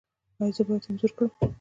ایا زه باید انځور کړم؟